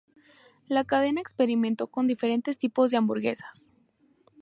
La cadena experimentó con diferentes tipos de hamburguesas.